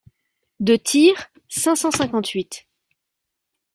de Tyr, cinq cent cinquante-huit.